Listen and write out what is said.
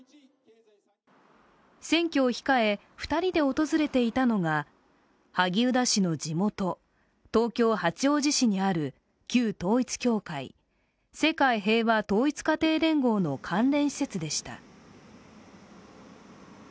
選挙を控え２人で訪れていたのが萩生田氏の地元、東京・八王子市にある旧統一教会＝世界平和統一家庭連合の関連施設でした。